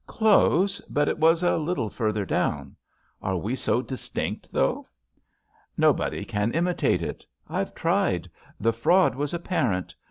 "Close. But it was a little further down. Are we so distinct, though?" "Nobody can imitate it. Fve tried. The fraud was apparent.